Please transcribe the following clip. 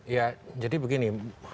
ya jadi begini